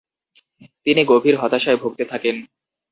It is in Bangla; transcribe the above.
তিনি গভীর হতাশায় ভুগতে থাকেন।